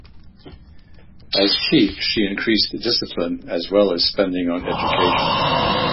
As chief she increased discipline as well as spending on education.